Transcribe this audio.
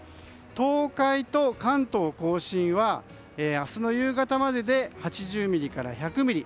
東海と関東・甲信は明日の夕方までで８０ミリから１００ミリ。